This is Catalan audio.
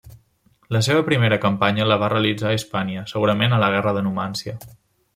La seva primera campanya la va realitzar a Hispània, segurament a la Guerra de Numància.